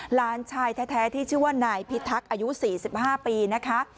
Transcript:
หลานชายแท้ที่ชื่อว่านายพิทักษ์อายุ๔๕ปีนะคะ